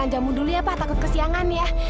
jom jambu dulu ya pak takut kesiangan ya